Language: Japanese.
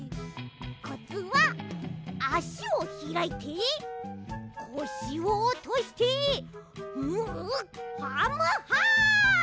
コツはあしをひらいてこしをおとしてムハムハ！